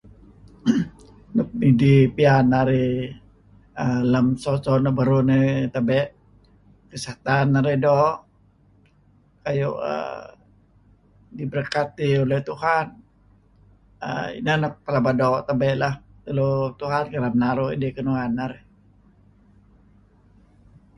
Nuk midih piyan narih lem so-so luk beruh nih tebe' kesihatan narih doo' kayu' diberkati oleh Tuhan, err ineh tebe' luk pelaba doo' tebe' leh tulu Tuhan kereb naru' dih kinuan narih.